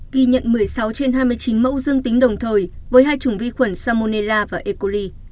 ghi nhận một mươi sáu trên hai mươi chín mẫu dương tính đồng thời với hai chủng vi khuẩn salmonella và ecoli